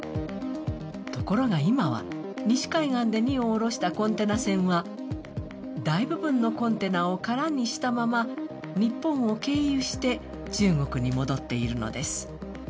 ところが今は、西海岸で荷を卸したコンテナ船は大部分のコンテナを空にしたまま日本を経由して中国に戻っているのです。